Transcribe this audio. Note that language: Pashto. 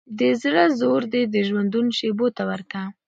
د زړه زور دي د ژوندون شېبو ته وركه